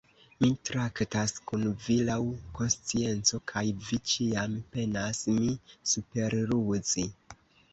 Mi traktas kun vi laŭ konscienco, kaj vi ĉiam penas min superruzi.